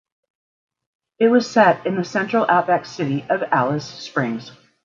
It was set in the central outback city of Alice Springs.